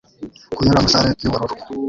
Kunyura muri salle yubururu